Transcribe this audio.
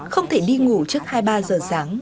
không thể đi ngủ trước hai ba giờ sáng